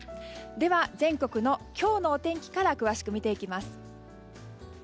では、全国の今日のお天気から詳しく見ていきます。